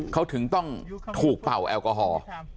เขาถึงต้องถูกเป่าแอลกอฮอล์